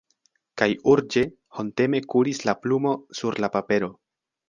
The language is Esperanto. Kaj urĝe, honteme kuris la plumo sur la papero.